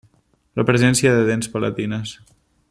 Presència de dents palatines.